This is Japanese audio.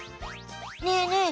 ねえねえ